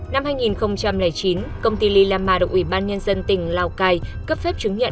năm hai nghìn chín công ty lilama đồng ủy ban nhân dân tỉnh lào cai cấp phép chứng nhận